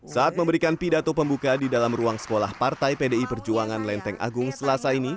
saat memberikan pidato pembuka di dalam ruang sekolah partai pdi perjuangan lenteng agung selasa ini